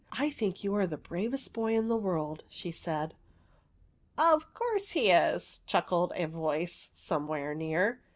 *'/ think you are the bravest boy in the world," she said. *' Of course he is !" chuckled a voice some where near.